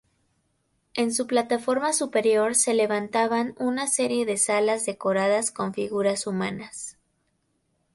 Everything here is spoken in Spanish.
En su plataforma superior se levantaban una serie de salas decoradas con figuras humanas.